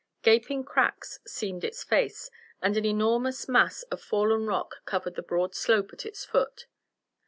Gaping cracks seamed its face, and an enormous mass of fallen rock covered the broad slope at its foot.